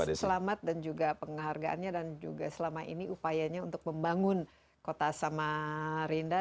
selamat dan juga penghargaannya dan juga selama ini upayanya untuk membangun kota samarinda